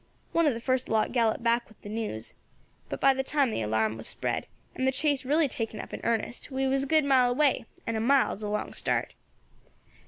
One of the first lot galloped back with the news. But by the time the alarm was spread, and the chase really taken up in earnest, we was a good mile away, and a mile is a long start.